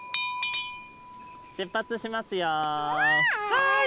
はい！